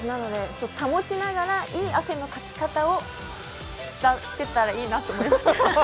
保ちながらいい汗のかき方をしてたらいいなと思います。